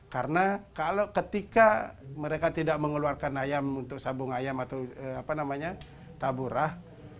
karena kalau ketika mereka tidak mengeluarkan ayam untuk sabung ayam atau taburah